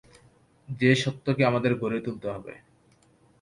যে সত্যকে আমাদের গড়ে তুলতে হবে।